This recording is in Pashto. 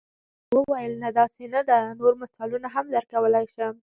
هغه وویل نه داسې نه ده نور مثالونه هم درکولای شم.